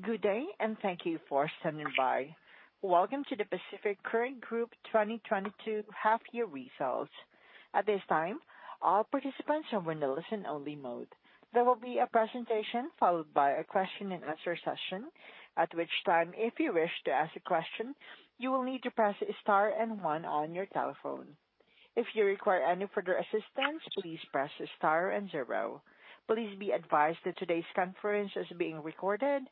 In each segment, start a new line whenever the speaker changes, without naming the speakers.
Good day, and thank you for standing by. Welcome to the Pacific Current Group 2022 half-year results. At this time, all participants are in the listen-only mode. There will be a presentation followed by a question-and-answer session. At which time, if you wish to ask a question, you will need to press star and one on your telephone. If you require any further assistance, please press star and zero. Please be advised that today's conference is being recorded.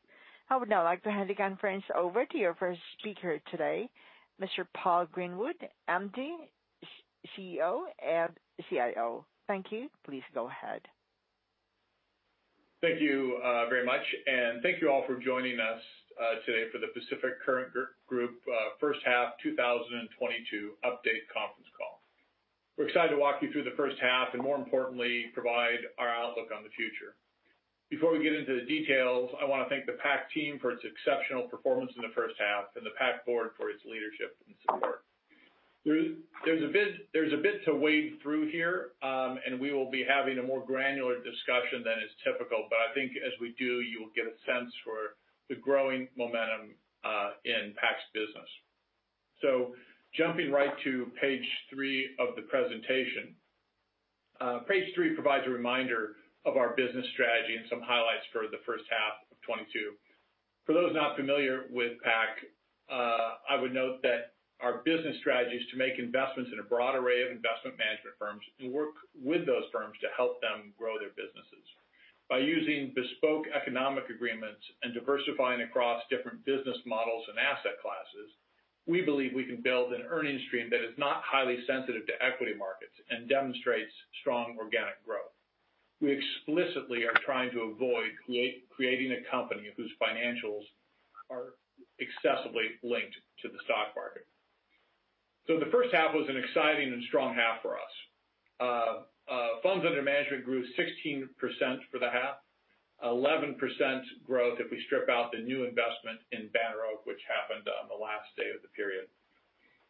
I would now like to hand the conference over to your first speaker today, Mr. Paul Greenwood, MD, CEO and CIO. Thank you. Please go ahead.
Thank you very much, and thank you all for joining us today for the Pacific Current Group first half 2022 update conference call. We're excited to walk you through the first half and more importantly, provide our outlook on the future. Before we get into the details, I wanna thank the PAC team for its exceptional performance in the first half and the PAC board for its leadership and support. There's a bit to wade through here, and we will be having a more granular discussion than is typical, but I think as we do, you'll get a sense for the growing momentum in PAC's business. Jumping right to page three of the presentation. Page three provides a reminder of our business strategy and some highlights for the first half of 2022. For those not familiar with PAC, I would note that our business strategy is to make investments in a broad array of investment management firms and work with those firms to help them grow their businesses. By using bespoke economic agreements and diversifying across different business models and asset classes, we believe we can build an earnings stream that is not highly sensitive to equity markets and demonstrates strong organic growth. We explicitly are trying to avoid creating a company whose financials are excessively linked to the stock market. The first half was an exciting and strong half for us. Funds under management grew 16% for the half. 11% growth if we strip out the new investment in Banner Oak, which happened on the last day of the period.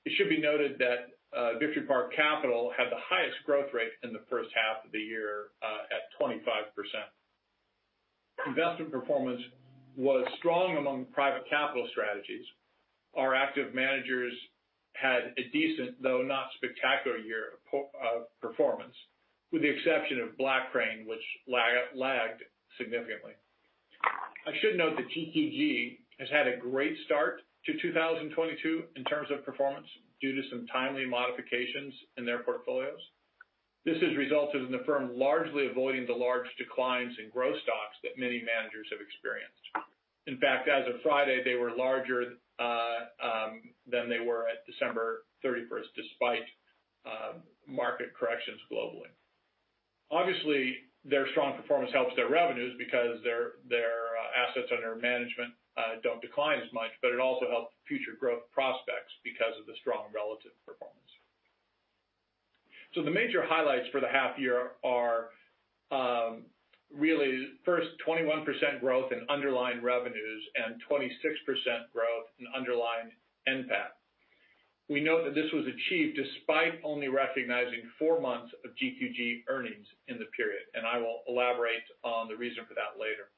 It should be noted that Victory Park Capital had the highest growth rate in the first half of the year at 25%. Investment performance was strong among private capital strategies. Our active managers had a decent, though not spectacular year of performance, with the exception of Blackcrane, which lagged significantly. I should note that GQG has had a great start to 2022 in terms of performance, due to some timely modifications in their portfolios. This has resulted in the firm largely avoiding the large declines in growth stocks that many managers have experienced. In fact, as of Friday, they were larger than they were at December 31st, despite market corrections globally. Obviously, their strong performance helps their revenues because their assets under management don't decline as much, but it also helps future growth prospects because of the strong relative performance. The major highlights for the half year are really first 21% growth in underlying revenues and 26% growth in underlying NPAT. We note that this was achieved despite only recognizing four months of GQG earnings in the period, and I will elaborate on the reason for that later.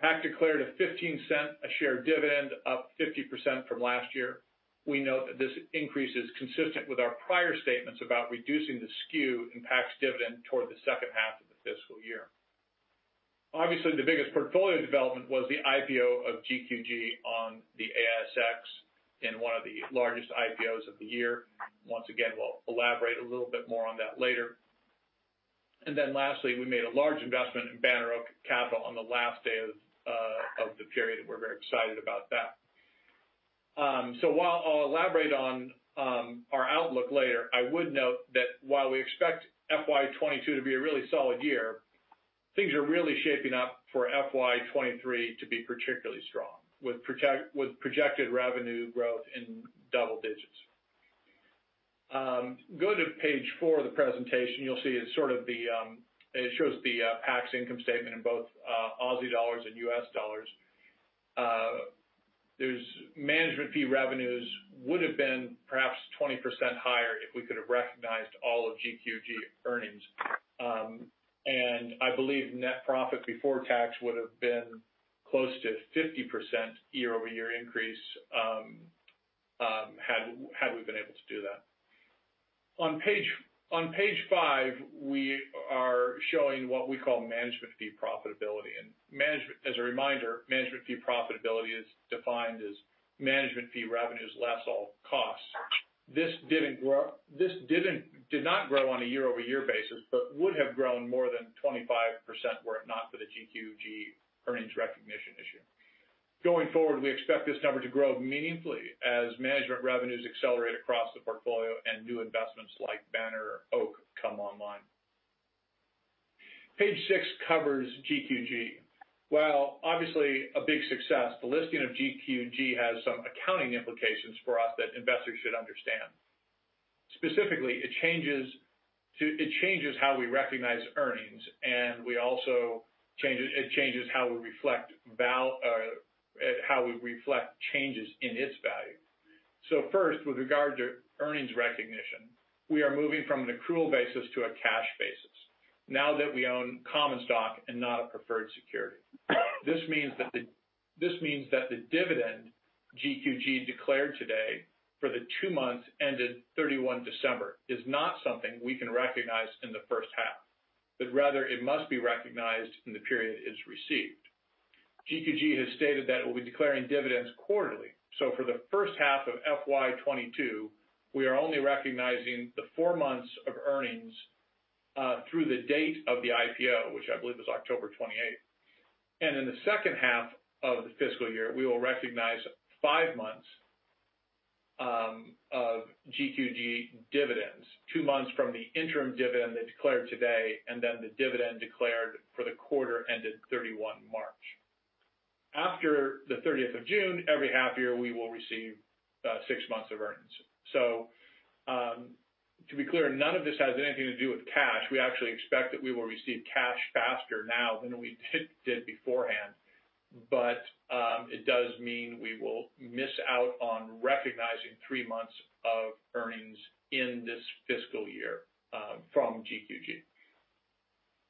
PAC declared a 0.15 per share dividend, up 50% from last year. We note that this increase is consistent with our prior statements about reducing the skew in PAC's dividend toward the second half of the fiscal year. Obviously, the biggest portfolio development was the IPO of GQG on the ASX in one of the largest IPOs of the year. Once again, we'll elaborate a little bit more on that later. Then lastly, we made a large investment in Banner Oak Capital on the last day of the period. We're very excited about that. While I'll elaborate on our outlook later, I would note that while we expect FY 2022 to be a really solid year, things are really shaping up for FY 2023 to be particularly strong with projected revenue growth in double digits. Go to page four of the presentation. You'll see it shows the PAC's income statement in both Aussie dollars and U.S. dollars. The management fee revenues would have been perhaps 20% higher if we could have recognized all of GQG earnings. I believe net profit before tax would have been close to 50% year-over-year increase, had we been able to do that. On page five, we are showing what we call management fee profitability. As a reminder, management fee profitability is defined as management fee revenues less all costs. This did not grow on a year-over-year basis but would have grown more than 25% were it not for the GQG earnings recognition issue. Going forward, we expect this number to grow meaningfully as management revenues accelerate across the portfolio and new investments like Banner Oak come online. Page six covers GQG. While obviously a big success, the listing of GQG has some accounting implications for us that investors should understand. Specifically, it changes how we recognize earnings, and we also change it. It changes how we would reflect changes in its value. First, with regard to earnings recognition, we are moving from an accrual basis to a cash basis now that we own common stock and not a preferred security. This means that the dividend GQG declared today for the two months ended 31 December is not something we can recognize in the first half, but rather it must be recognized in the period it's received. GQG has stated that it will be declaring dividends quarterly. For the first half of FY 2022 we are only recognizing the four months of earnings through the date of the IPO, which I believe was October 28. In the second half of the fiscal year, we will recognize five months of GQG dividends. Two months from the interim dividend they declared today, and then the dividend declared for the quarter ended 31 March. After the 30th of June, every half year we will receive six months of earnings. To be clear, none of this has anything to do with cash. We actually expect that we will receive cash faster now than we did beforehand. It does mean we will miss out on recognizing three months of earnings in this fiscal year from GQG.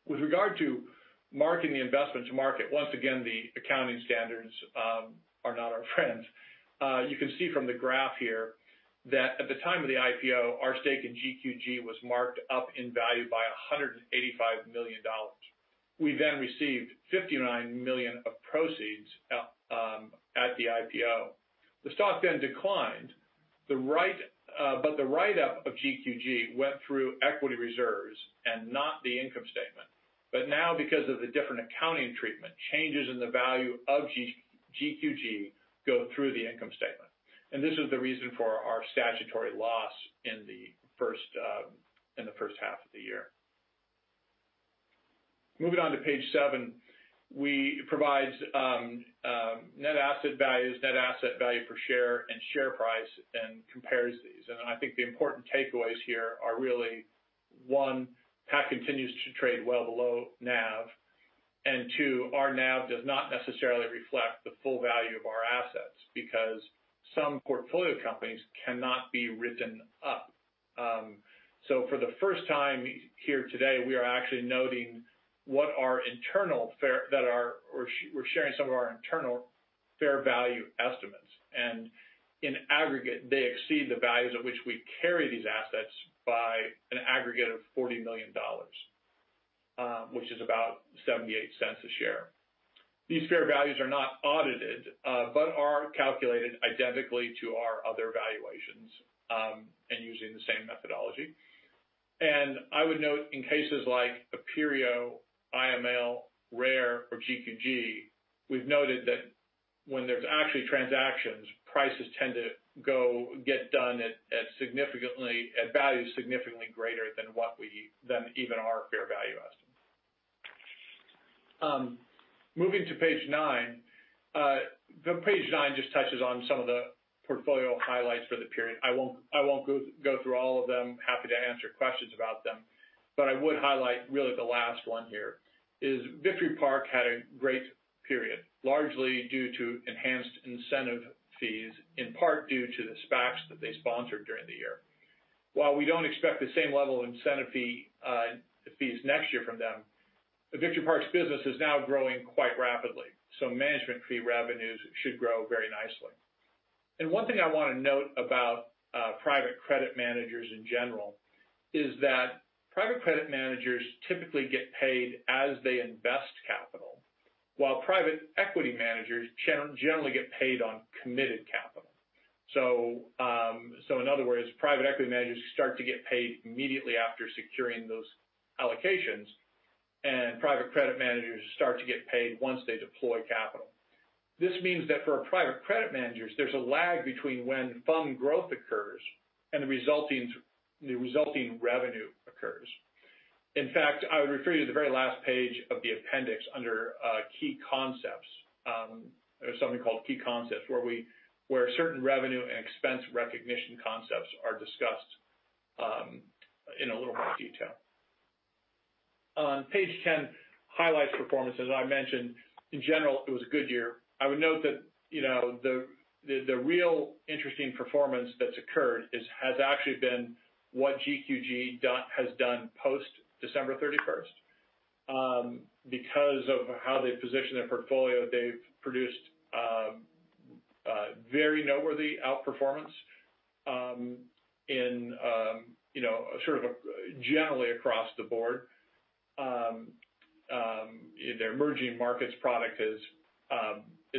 With regard to marking the investment to market, once again, the accounting standards are not our friends. You can see from the graph here that at the time of the IPO, our stake in GQG was marked up in value by $185 million. We then received $59 million of proceeds out at the IPO. The stock then declined. The write-up of GQG went through equity reserves and not the income statement. Now, because of the different accounting treatment, changes in the value of GQG go through the income statement. This is the reason for our statutory loss in the first half of the year. Moving on to page seven. We provide net asset values, net asset value per share and share price, and compare these. I think the important takeaways here are really, one, PAC continues to trade well below NAV. Two, our NAV does not necessarily reflect the full value of our assets because some portfolio companies cannot be written up. For the first time here today we are actually noting that we're sharing some of our internal fair value estimates. In aggregate, they exceed the values at which we carry these assets by an aggregate of $40 million, which is about $0.78 per share. These fair values are not audited, but are calculated identically to our other valuations, and using the same methodology. I would note in cases like Aperio, IML, RARE or GQG, we've noted that when there's actually transactions, prices tend to get done at values significantly greater than even our fair value estimate. Moving to page nine. The page nine just touches on some of the portfolio highlights for the period. I won't go through all of them. Happy to answer questions about them, but I would highlight really the last one here is Victory Park had a great period, largely due to enhanced incentive fees, in part due to the SPACs that they sponsored during the year. While we don't expect the same level of incentive fees next year from them, the Victory Park's business is now growing quite rapidly, so management fee revenues should grow very nicely. One thing I wanna note about private credit managers in general is that private credit managers typically get paid as they invest capital, while private equity managers generally get paid on committed capital. In other words, private equity managers start to get paid immediately after securing those allocations, and private credit managers start to get paid once they deploy capital. This means that for private credit managers, there's a lag between when fund growth occurs and the resulting revenue occurs. In fact, I would refer you to the very last page of the appendix under key concepts. There's something called key concepts where certain revenue and expense recognition concepts are discussed in a little more detail. On page 10, highlights performance. As I mentioned, in general, it was a good year. I would note that, you know, the real interesting performance that's occurred is, has actually been what GQG has done post December 31st. Because of how they position their portfolio, they've produced very noteworthy outperformance in, you know, sort of, generally across the board. Their emerging markets product is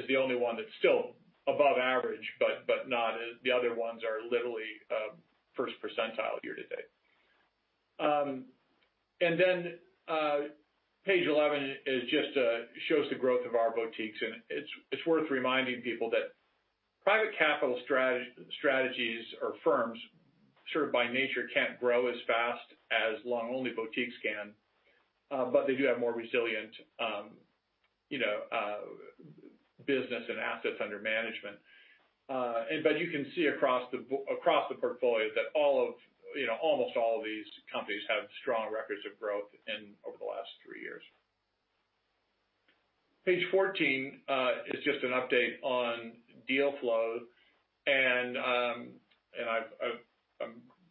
the only one that's still above average, but not as the other ones are literally first percentile year to date. Then page 11 just shows the growth of our boutiques. It's worth reminding people that private capital strategies or firms, sort of by nature, can't grow as fast as long only boutiques can, but they do have more resilient, you know, business and assets under management. But you can see across the portfolio that all of, you know, almost all of these companies have strong records of growth in over the last three years. Page 14 is just an update on deal flow and I'm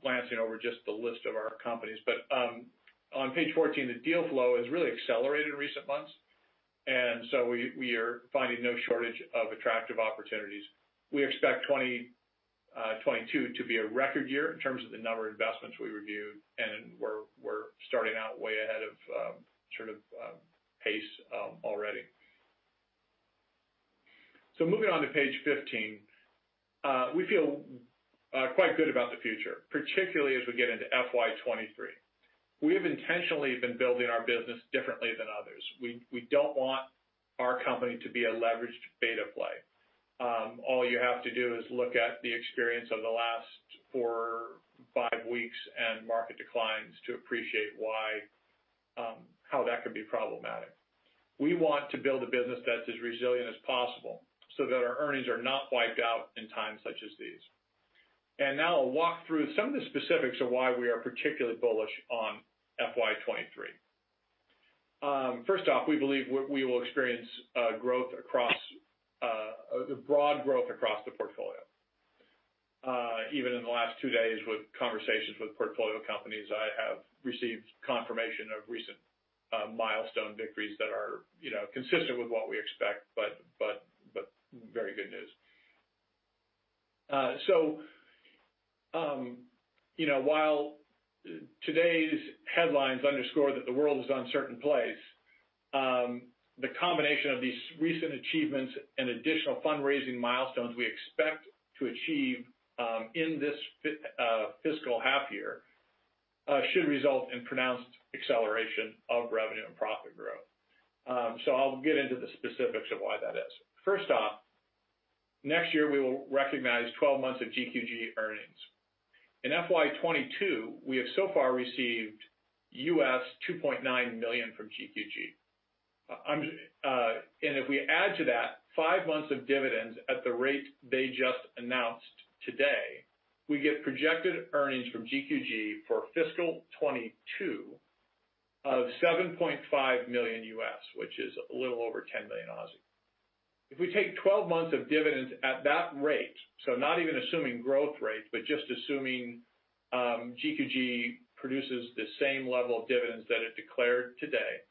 glancing over just the list of our companies. On page 14, the deal flow has really accelerated in recent months, and we are finding no shortage of attractive opportunities. We expect 2022 to be a record year in terms of the number of investments we reviewed, and we're starting out way ahead of sort of pace already. Moving on to page 15. We feel quite good about the future, particularly as we get into FY 2023. We have intentionally been building our business differently than others. We don't want our company to be a leveraged beta play. All you have to do is look at the experience of the last four, five weeks and market declines to appreciate why how that could be problematic. We want to build a business that's as resilient as possible, so that our earnings are not wiped out in times such as these. Now I'll walk through some of the specifics of why we are particularly bullish on FY 2023. First off, we believe we will experience growth across a broad growth across the portfolio. Even in the last two days with conversations with portfolio companies, I have received confirmation of recent milestone victories that are, you know, consistent with what we expect, but very good news. You know, while today's headlines underscore that the world is an uncertain place, the combination of these recent achievements and additional fundraising milestones we expect to achieve in this fiscal half year should result in pronounced acceleration of revenue and profit growth. I'll get into the specifics of why that is. First off, next year we will recognize 12 months of GQG earnings. In FY 2022, we have so far received $2.9 million from GQG. And if we add to that five months of dividends at the rate they just announced today, we get projected earnings from GQG for fiscal 2022 of $7.5 million, which is a little over 10 million. If we take 12 months of dividends at that rate, so not even assuming growth rates, but just assuming GQG produces the same level of dividends that it declared today,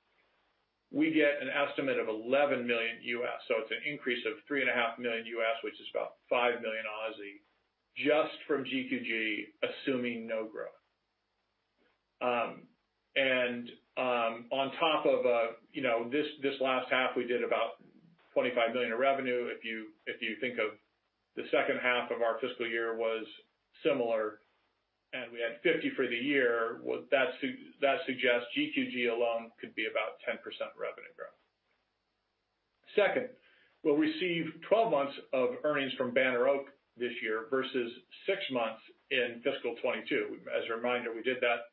we get an estimate of $11 million. It's an increase of $3.5 million, which is about 5 million just from GQG, assuming no growth. On top of you know this last half, we did about 25 million of revenue. If you think of the second half of our fiscal year was similar, and we had 50 million for the year, that suggests GQG alone could be about 10% revenue growth. Second, we'll receive 12 months of earnings from Banner Oak this year versus six months in FY 2022. As a reminder, we did that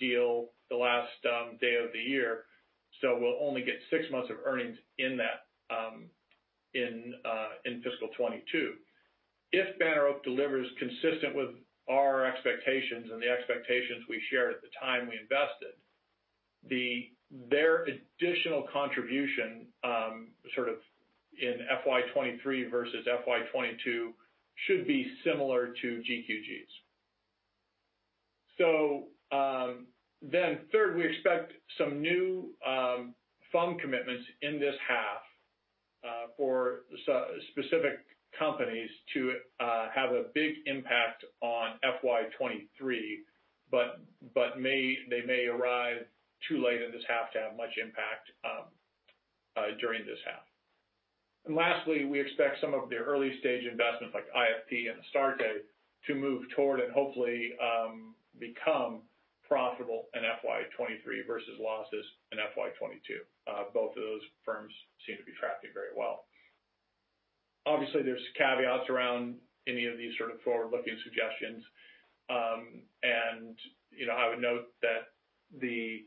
deal the last day of the year, so we'll only get six months of earnings in that FY 2022. If Banner Oak delivers consistent with our expectations and the expectations we shared at the time we invested, their additional contribution sort of in FY 2023 versus FY 2022 should be similar to GQG's. Third, we expect some new fund commitments in this half for specific companies to have a big impact on FY 2023, but they may arrive too late in this half to have much impact during this half. Lastly, we expect some of the early-stage investments like IFP and Astarte to move toward and hopefully become profitable in FY 2023 versus losses in FY 2022. Both of those firms seem to be tracking very well. Obviously, there's caveats around any of these sort of forward-looking suggestions. You know, I would note that the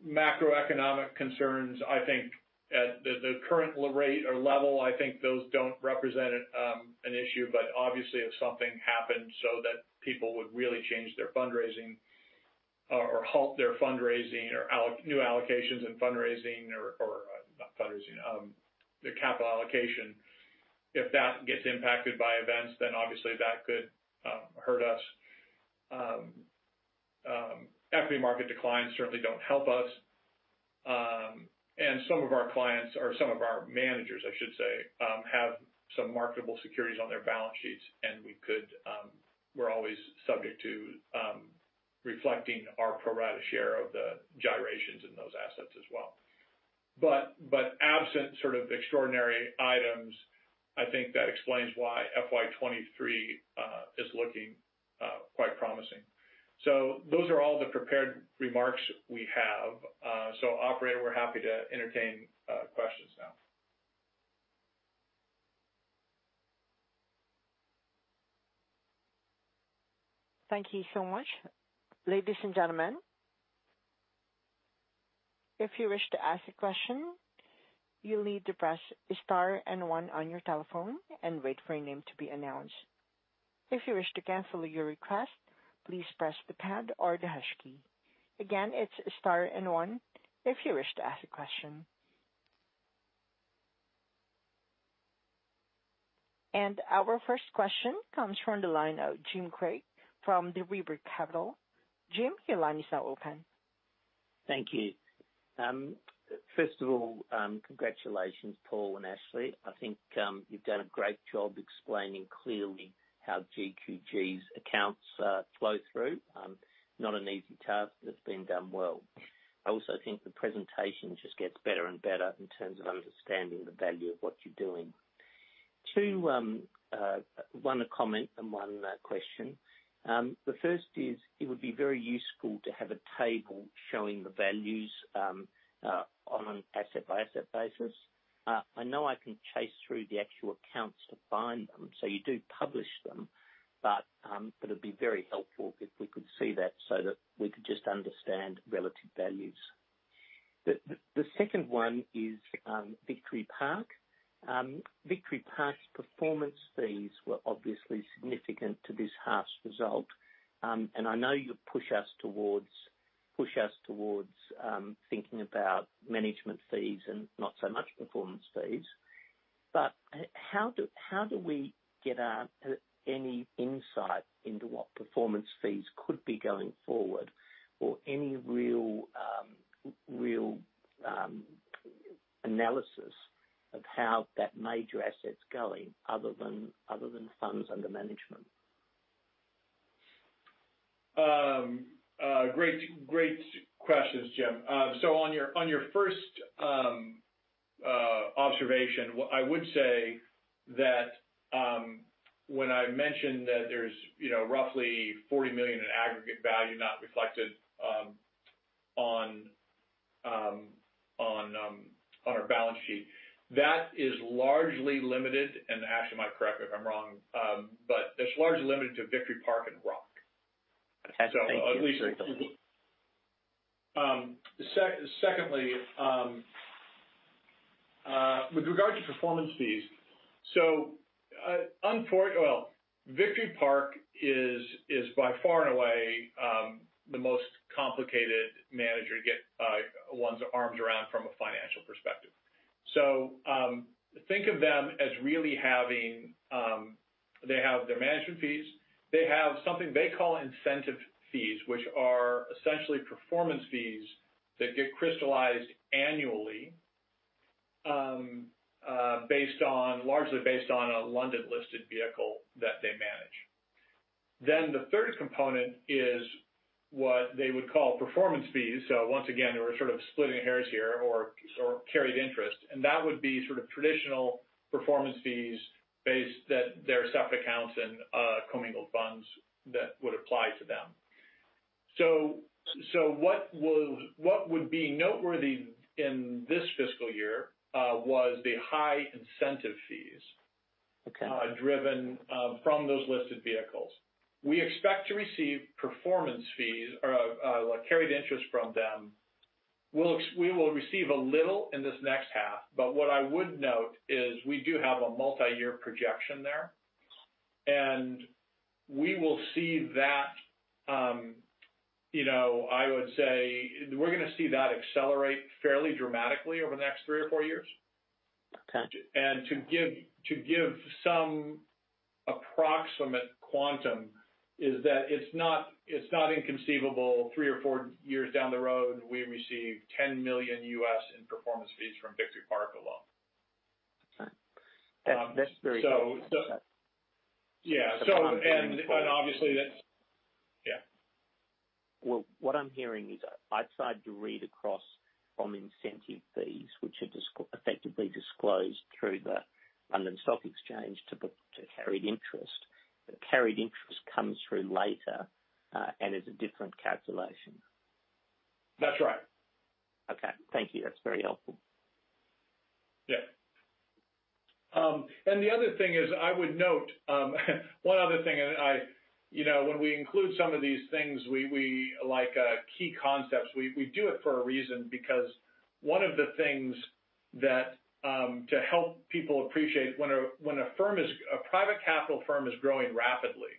macroeconomic concerns, I think at the current rate or level, I think those don't represent an issue, but obviously if something happened so that people would really change their fundraising or halt their fundraising or new allocations and fundraising or not fundraising, the capital allocation, if that gets impacted by events, then obviously that could hurt us. Equity market declines certainly don't help us. Some of our clients or some of our managers, I should say, have some marketable securities on their balance sheets, and we're always subject to reflecting our pro rata share of the gyrations in those assets as well. Absent sort of extraordinary items, I think that explains why FY 2023 is looking quite promising. Those are all the prepared remarks we have. Operator, we're happy to entertain questions now.
Thank you so much. Ladies and gentlemen, if you wish to ask a question, you'll need to press star and one on your telephone and wait for your name to be announced. If you wish to cancel your request, please press the pound or the hash key. Again, it's star and one if you wish to ask a question. Our first question comes from the line of Jim Craig from River Capital. Jim, your line is now open.
Thank you. First of all, congratulations, Paul and Ashley. I think you've done a great job explaining clearly how GQG's accounts flow through. Not an easy task. It's been done well. I also think the presentation just gets better and better in terms of understanding the value of what you're doing. Two, one a comment and one a question. The first is it would be very useful to have a table showing the values on an asset-by-asset basis. I know I can chase through the actual accounts to find them, so you do publish them, but it'd be very helpful if we could see that so that we could just understand relative values. The second one is Victory Park. Victory Park's performance fees were obviously significant to this half's result. I know you push us towards thinking about management fees and not so much performance fees. But how do we get any insight into what performance fees could be going forward or any real analysis of how that major asset's going, other than funds under management?
Great questions, Jim. On your first observation, I would say that when I mentioned that there's, you know, roughly 40 million in aggregate value not reflected on our balance sheet, that is largely limited, and Ashley might correct me if I'm wrong, but it's largely limited to Victory Park and Roc.
Okay. Thank you.
Secondly, with regard to performance fees. Well, Victory Park is by far and away the most complicated manager to get one's arms around from a financial perspective. Think of them as really having their management fees. They have something they call incentive fees, which are essentially performance fees that get crystallized annually, largely based on a London-listed vehicle that they manage. Then the third component is what they would call performance fees. Once again, we're sort of splitting hairs here or carried interest, and that would be sort of traditional performance fees based on their separate accounts and commingled funds that would apply to them. What would be noteworthy in this fiscal year was the high incentive fees.
Okay.
Driven from those listed vehicles. We expect to receive performance fees or carried interest from them. We will receive a little in this next half. But what I would note is we do have a multi-year projection there. We will see that, you know, I would say we're gonna see that accelerate fairly dramatically over the next three or four years.
Okay.
To give some approximate quantum is that it's not inconceivable three or four years down the road, we receive $10 million in performance fees from Victory Park alone.
Okay. That's very.
Yeah. Obviously that's yeah.
Well, what I'm hearing is I've started to read across from incentive fees, which are effectively disclosed through the London Stock Exchange to the carried interest. The carried interest comes through later, and is a different calculation.
That's right.
Okay. Thank you. That's very helpful.
Yeah. The other thing is, I would note one other thing. You know, when we include some of these things, we like key concepts. We do it for a reason because one of the things to help people appreciate when a firm is a private capital firm growing rapidly.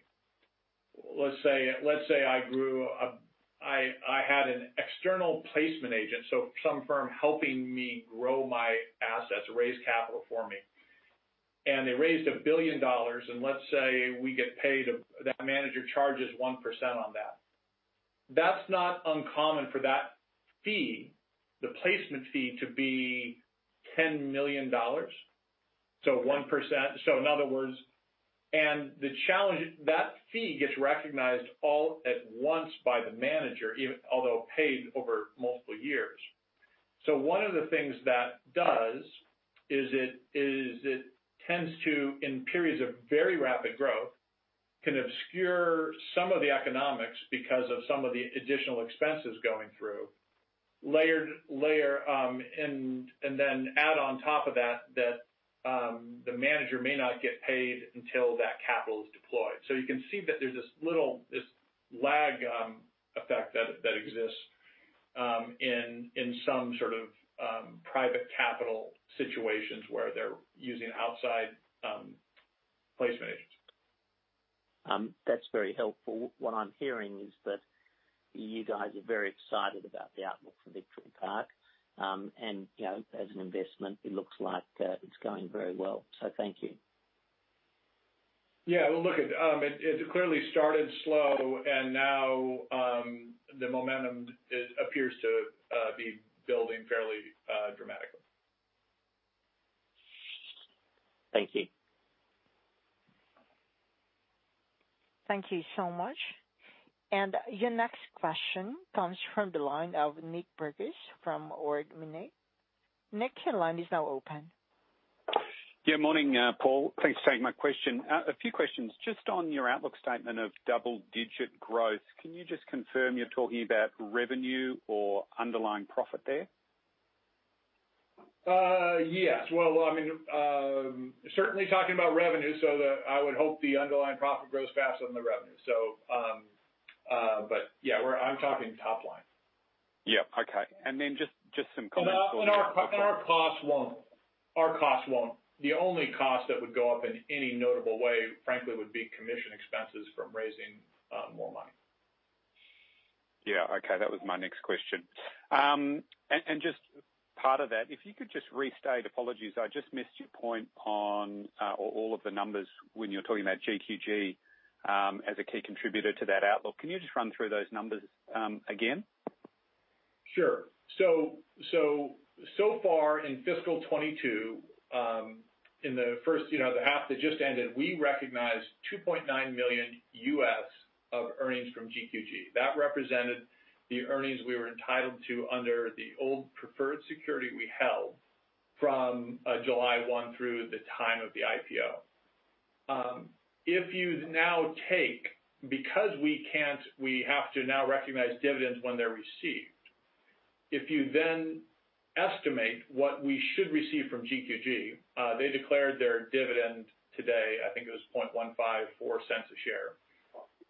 Let's say I grew up, I had an external placement agent, so some firm helping me grow my assets, raise capital for me. They raised 1 billion dollars, and let's say we get paid, that manager charges 1% on that. That's not uncommon for that fee, the placement fee to be $10 million. So 1%. In other words, the challenge that fee gets recognized all at once by the manager, even though paid over multiple years. One of the things that does is it tends to, in periods of very rapid growth, obscure some of the economics because of some of the additional expenses going through, layer, and then add on top of that, the manager may not get paid until that capital is deployed. You can see that there's this little lag effect that exists in some sort of private capital situations where they're using outside placement agents.
That's very helpful. What I'm hearing is that you guys are very excited about the outlook for Victory Park. You know, as an investment, it looks like it's going very well. Thank you.
Yeah. Well, look, it clearly started slow, and now the momentum appears to be building fairly dramatically.
Thank you.
Thank you so much. Your next question comes from the line of Nick Burgess from Ord Minnett. Nick, your line is now open.
Morning, Paul. Thanks for taking my question. A few questions. Just on your outlook statement of double-digit growth, can you just confirm you're talking about revenue or underlying profit there?
Yes. Well, I mean, certainly talking about revenue, so I would hope the underlying profit grows faster than the revenue. I'm talking top line.
Yeah. Okay. Just some comments on.
Our costs won't. The only cost that would go up in any notable way, frankly, would be commission expenses from raising more money.
Yeah. Okay. That was my next question. Just part of that, if you could just restate. Apologies, I just missed your point on all of the numbers when you're talking about GQG as a key contributor to that outlook. Can you just run through those numbers again?
Sure. So far in fiscal 2022, in the first half that just ended, we recognized $2.9 million of earnings from GQG. That represented the earnings we were entitled to under the old preferred security we held from July 1 through the time of the IPO. Because we can't, we have to now recognize dividends when they're received. If you then estimate what we should receive from GQG, they declared their dividend today, I think it was 0.154 a share.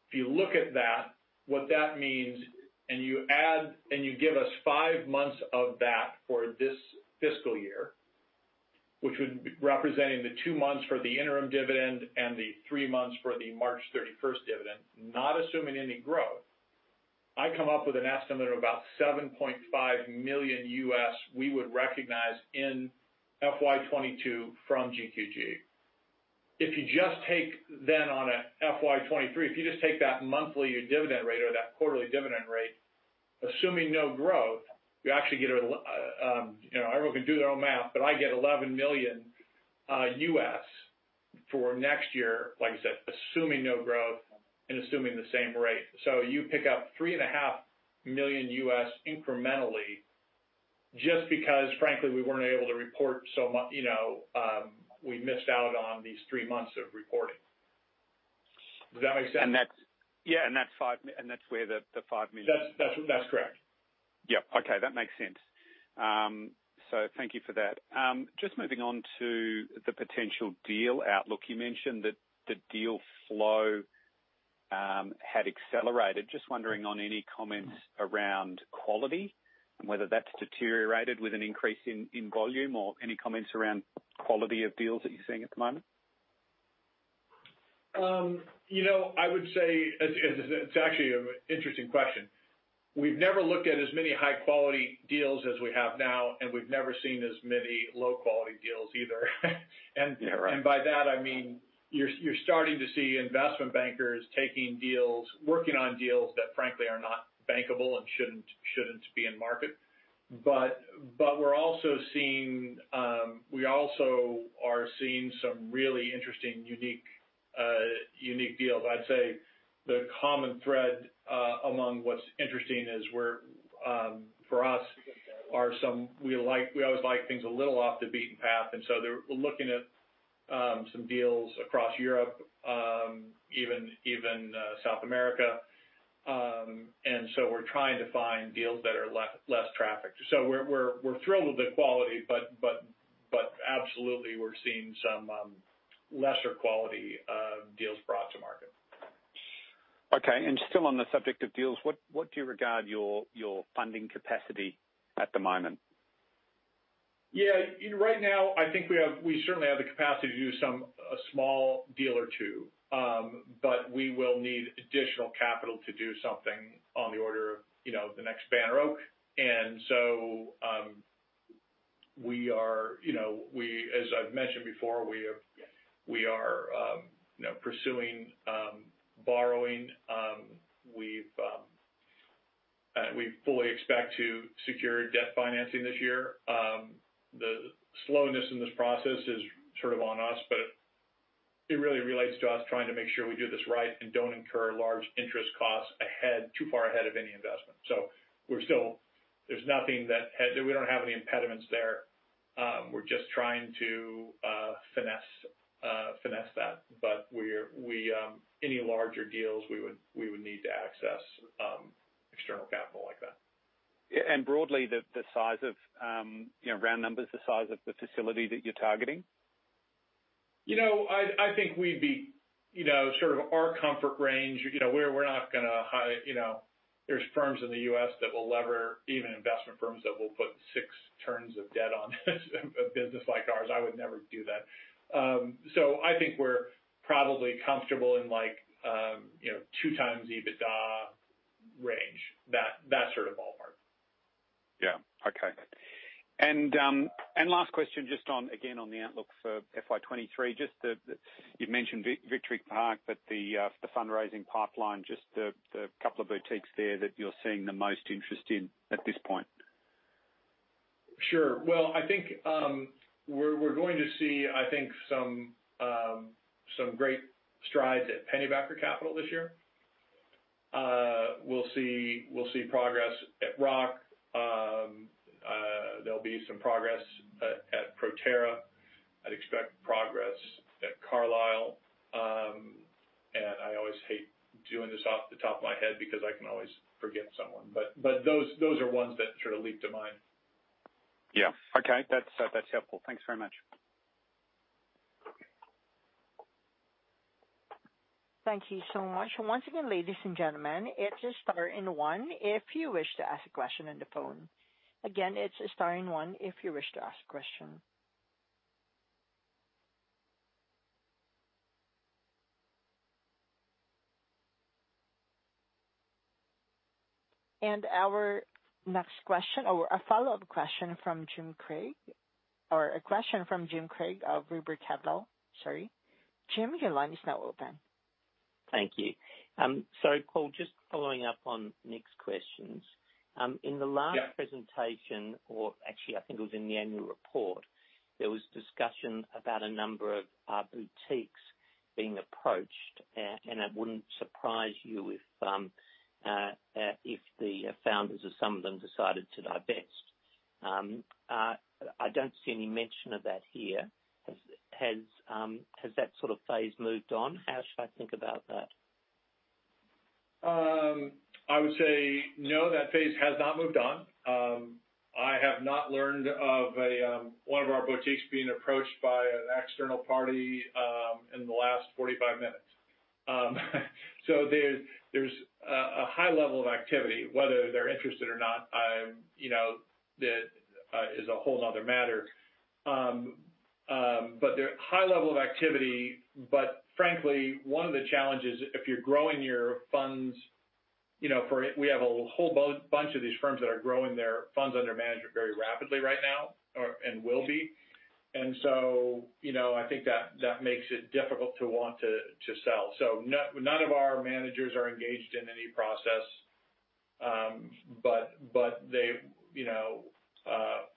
If you look at that, what that means, and you add, and you give us fiv months of that for this fiscal year, which would be representing the two months for the interim dividend and the three months for the March 31st dividend, not assuming any growth, I come up with an estimate of about $7.5 million we would recognize in FY 2022 from GQG. If you just take then on a FY 2023, if you just take that monthly dividend rate or that quarterly dividend rate, assuming no growth, you actually get, you know, everyone can do their own math, but I get $11 million for next year, like I said, assuming no growth and assuming the same rate. You pick up $3.5 million incrementally just because frankly, we weren't able to report so much, you know, we missed out on these three months of reporting. Does that make sense?
That's where the 5 million.
That's correct.
Yeah. Okay. That makes sense. Thank you for that. Just moving on to the potential deal outlook. You mentioned that the deal flow had accelerated. Just wondering on any comments around quality and whether that's deteriorated with an increase in volume or any comments around quality of deals that you're seeing at the moment.
You know, I would say it's actually an interesting question. We've never looked at as many high-quality deals as we have now, and we've never seen as many low-quality deals either.
Yeah, right.
By that, I mean, you're starting to see investment bankers taking deals, working on deals that frankly are not bankable and shouldn't be in market. We're also seeing some really interesting, unique deals. I'd say the common thread among what's interesting is where for us are some we always like things a little off the beaten path, and we're looking at some deals across Europe, even South America. We're trying to find deals that are less trafficked. We're thrilled with the quality, but absolutely, we're seeing some lesser quality deals brought to market.
Okay. Still on the subject of deals, what do you regard your funding capacity at the moment?
Yeah. Right now, I think we certainly have the capacity to do some small deal or two. We will need additional capital to do something on the order of the next Banner Oak. As I've mentioned before, we are pursuing borrowing. We fully expect to secure debt financing this year. The slowness in this process is sort of on us, but it really relates to us trying to make sure we do this right and don't incur large interest costs too far ahead of any investment. We're still. We don't have any impediments there. We're just trying to finesse that, but any larger deals we would need to access external capital like that.
Yeah, broadly the size of, you know, round numbers, the size of the facility that you're targeting.
You know, I think we'd be, you know, sort of in our comfort range. You know, we're not gonna go high. You know, there's firms in the U.S. that will leverage even investment firms that will put six turns of debt on a business like ours. I would never do that. So I think we're probably comfortable in like, you know, 2x EBITDA range. That sort of ballpark.
Yeah. Okay. Last question just on, again, on the outlook for FY 2023, just the. You've mentioned Victory Park, but the fundraising pipeline, just the couple of boutiques there that you're seeing the most interest in at this point.
Sure. Well, I think we're going to see, I think, some great strides at Pennybacker Capital this year. We'll see progress at Roc. There'll be some progress at Proterra. I'd expect progress at Carlisle. I always hate doing this off the top of my head because I can always forget someone, but those are ones that sort of leap to mind.
Yeah. Okay. That's helpful. Thanks very much.
Thank you so much. Once again, ladies and gentlemen, it's a star and one. If you wish to ask a question on the phone. Again ,it's a star and one, if you wish to ask a question. Our next question, or a follow-up question from Jim Craig of River Capital. Sorry. Jim, your line is now open.
Thank you. Paul, just following up on Nick's questions. In the last.
Yeah.
In the presentation, or actually I think it was in the annual report, there was discussion about a number of boutiques being approached. It wouldn't surprise you if the founders of some of them decided to divest. I don't see any mention of that here. Has that sort of phase moved on? How should I think about that?
I would say no, that phase has not moved on. I have not learned of one of our boutiques being approached by an external party in the last 45 minutes. There's a high level of activity, whether they're interested or not, you know, that is a whole nother matter. There's a high level of activity. Frankly, one of the challenges, if you're growing your funds, you know, we have a whole bunch of these firms that are growing their funds under management very rapidly right now or will be. You know, I think that makes it difficult to want to sell. No, none of our managers are engaged in any process. But they, you know,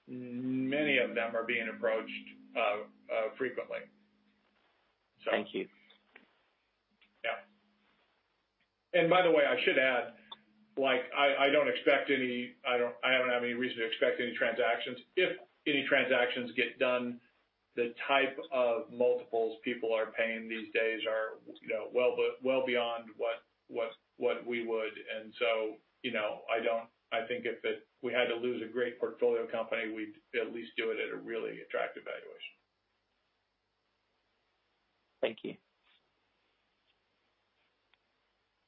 many of them are being approached frequently.
Thank you.
Yeah. By the way, I should add, like I don't expect any. I don't have any reason to expect any transactions. If any transactions get done, the type of multiples people are paying these days are, you know, well beyond what we would. You know, I think if we had to lose a great portfolio company, we'd at least do it at a really attractive valuation.
Thank you.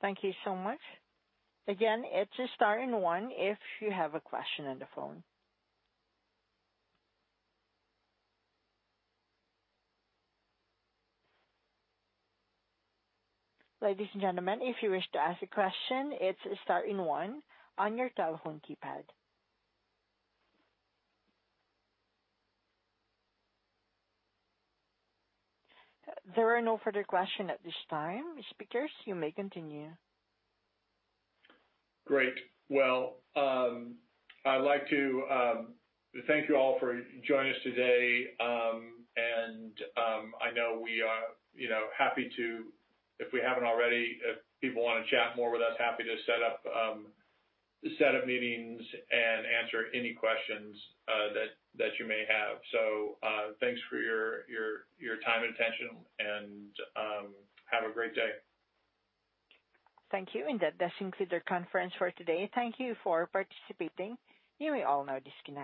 Thank you so much. Again, it is star and one if you have a question on the phone. Ladies and gentlemen, if you wish to ask a question, it's star and one on your telephone keypad. There are no further question at this time. Speakers, you may continue.
Great. Well, I'd like to thank you all for joining us today, and I know we are, you know, happy to, if we haven't already, people wanna chat more with us, happy to set up meetings and answer any questions that you may have. Thanks for your time and attention and have a great day.
Thank you. That does conclude our conference for today. Thank you for participating. You may all now disconnect.